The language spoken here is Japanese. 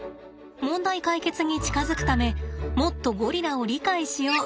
問題解決に近づくためもっとゴリラを理解しよう